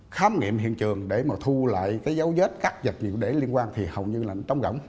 khám nghiệm hiện trường để mà thu lại cái dấu vết các vật liên quan thì hầu như là nó trống rỗng